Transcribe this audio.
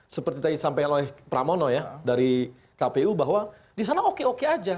seperti tadi sampaikan oleh pramono ya dari kpu bahwa di sana oke oke aja